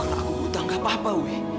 karena aku utang gak apa apa